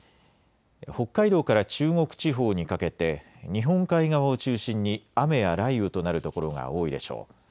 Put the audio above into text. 北海道から中国地方にかけて日本海側を中心に雨や雷雨となる所が多いでしょう。